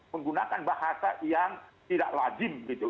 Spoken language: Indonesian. menggunakan bahasa yang tidak lazim gitu